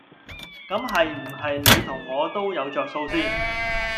咁係唔係你同我都有着數先？